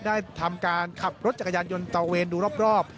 ได้ทำการขับรถจักรยานยนต์เตาเวนดูรอบ